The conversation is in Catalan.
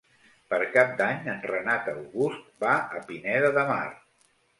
Per Cap d'Any en Renat August va a Pineda de Mar.